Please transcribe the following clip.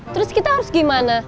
terus kita harus gimana